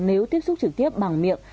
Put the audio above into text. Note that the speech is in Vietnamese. nếu tiếp xúc trực tiếp bằng miệng